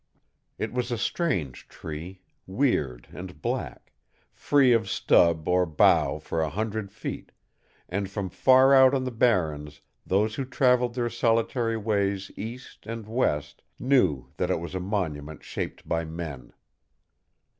It was a strange tree, weird and black, free of stub or bough for a hundred feet, and from far out on the barrens those who traveled their solitary ways east and west knew that it was a monument shaped by men.